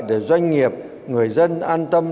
để doanh nghiệp người dân an tâm